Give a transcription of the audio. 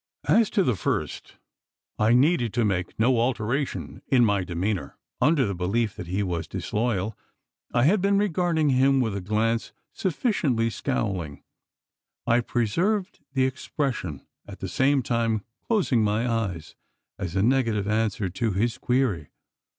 As to the first, I needed to make no alteration in my demeanour. Under the belief that he was disloyal, I had been regarding him with a glance sufficiently scowling. I preserved the expression at the same time closing my eyes, as a negative answer to his query.